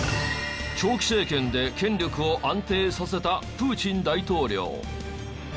長期政権で権力を安定させたプーチン大統領。